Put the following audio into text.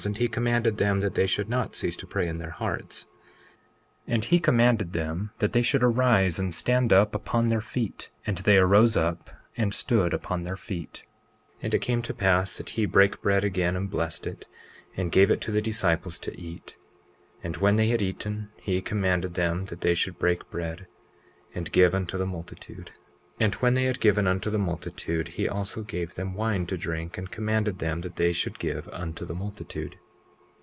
And he commanded them that they should not cease to pray in their hearts. 20:2 And he commanded them that they should arise and stand up upon their feet. And they arose up and stood upon their feet. 20:3 And it came to pass that he brake bread again and blessed it, and gave to the disciples to eat. 20:4 And when they had eaten he commanded them that they should break bread, and give unto the multitude. 20:5 And when they had given unto the multitude he also gave them wine to drink, and commanded them that they should give unto the multitude.